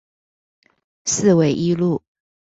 四維一路